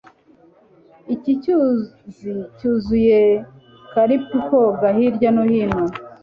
iki cyuzi cyuzuye karp koga hirya no hino